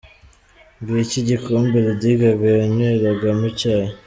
Ngicyo igikombe Lady Gaga yanyweragamo icyayi!.